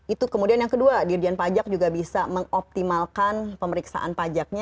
itu kemudian yang kedua dirjen pajak juga bisa mengoptimalkan pemeriksaan pajaknya